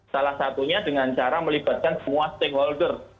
salah satunya dengan cara melibatkan semua stakeholder